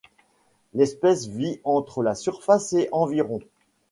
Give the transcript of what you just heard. L'espèce vit entre la surface et environ.